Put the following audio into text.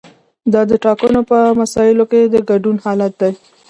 دا د ټاکنو په مسایلو کې د ګډون حالت دی.